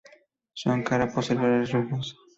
Su cara posterior es rugosa.